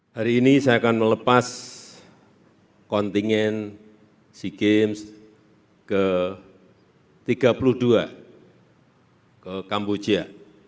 hari ini saya akan melepas kontingen sea games ke tiga puluh dua ke kamboja